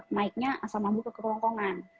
naiknya asam lambung kekelongkongan